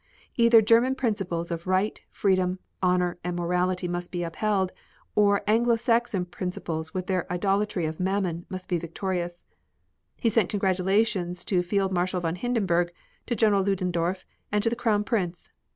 "Either German principles of right, freedom, honor and morality must be upheld, or Anglo Saxon principles with their idolatry of Mammon must be victorious." He sent congratulations to Field Marshal von Hindenburg, to General Ludendorf and to the Crown Prince.